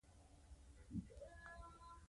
لکه چې په دروازه کې بنده شوې وي